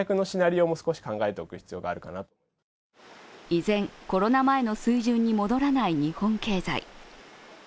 依然、コロナ前の水準に戻らない日本経済。